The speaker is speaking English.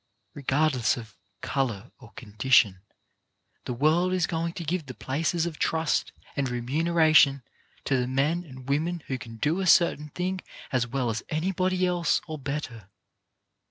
Regardless of colour or condition, the world is going to give the places of trust and remuneration to the men and women who can do a certain thing as well as anybody else or better.